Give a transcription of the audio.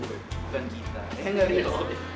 udah terlanjur cinta sama sekolah itu